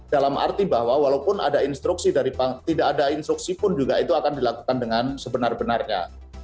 dalam arti bahwa walaupun ada instruksi dari tidak ada instruksi pun juga itu akan dilakukan dengan sebenar benarnya